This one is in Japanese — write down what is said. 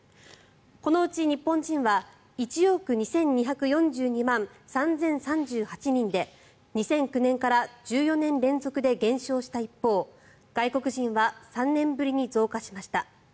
このうち、日本人は１億２２４２万３０３８人で２００９年から１４年連続で減少した一方外国人は３年ぶりに増加しました。